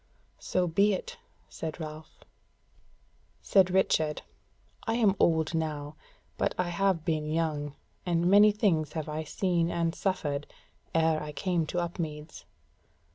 "So be it!" said Ralph. Said Richard: "I am old now, but I have been young, and many things have I seen and suffered, ere I came to Upmeads.